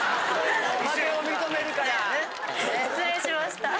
失礼しました。